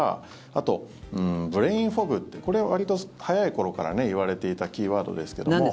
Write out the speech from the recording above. あと、ブレインフォグってわりと早い頃から言われていたキーワードですけども。